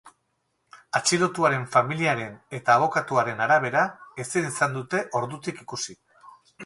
Atxilotuaren familiaren eta abokatuen arabera, ezin izan dute ordutik ikusi.